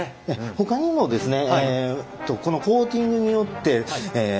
ほかにもですね